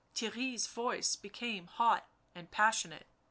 Theirry's voice became hot and passionate.